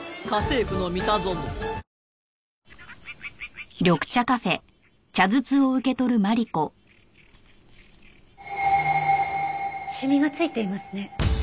ニトリシミが付いていますね。